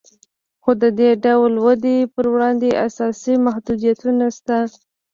خو د دې ډول ودې پر وړاندې اساسي محدودیتونه شته